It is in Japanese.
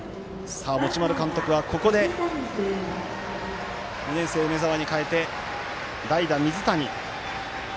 持丸監督は、ここで２年生、梅澤に代えて代打、水谷。